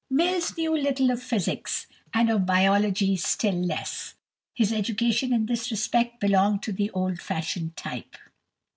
Mill knew little of physics, and of biology still less. His education in this respect belonged to the old fashioned type.